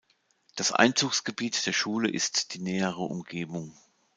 Das Einzugsgebiet der Schule ist die nähere Umgebung.